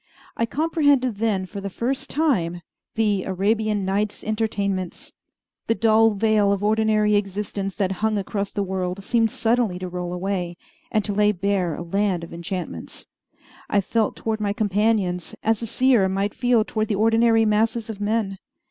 I comprehended then for the first time the "Arabian Nights' Entertainments." The dull veil of ordinary existence that hung across the world seemed suddenly to roll away, and to lay bare a land of enchantments. I felt toward my companions as the seer might feel toward the ordinary masses of men.